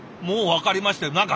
もう分かりましたよ。